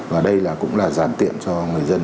và đây cũng là giàn tiện cho người dân